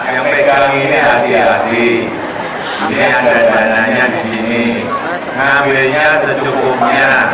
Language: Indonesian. yang pegang ini hati hati ini ada dananya disini ambilnya secukupnya